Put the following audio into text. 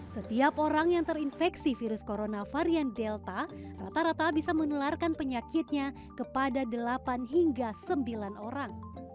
setiap orang yang terinfeksi virus corona varian delta rata rata bisa menularkan penyakitnya kepada delapan hingga sembilan orang